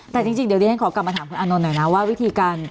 แต่จริงเดี๋ยวดิฉันขอกลับมาถามคุณอานนท์หน่อยนะว่าวิธีการ